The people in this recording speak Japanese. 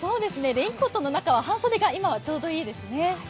レインコートの中は半袖が今はちょうどいいですね。